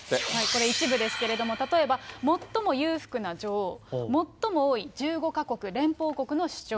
これ、一部ですけれども、例えば最も裕福な女王、最も多い１５か国連邦国の首長。